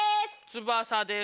つばさです。